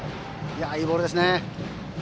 いいボールですね。